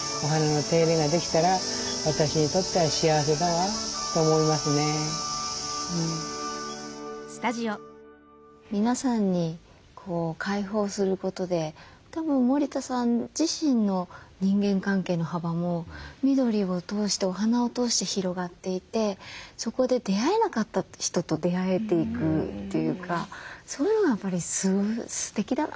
なるべく元気でいつまでもね皆さんに開放することでたぶん森田さん自身の人間関係の幅も緑を通してお花を通して広がっていてそこで出会えなかった人と出会えていくというかそういうのがやっぱりすてきだなって思いました。